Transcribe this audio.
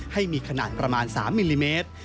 ให้มีขนาดประมาณ๓มิลลิเมตร